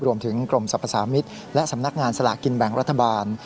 รวมถึงกรมสรรพสามิตรและสำนักงานสลากกินแบ่งรัฐบาล